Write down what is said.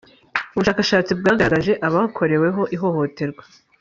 Ubushakashatsi bwagaragaje abakoreweho ihohoterwa.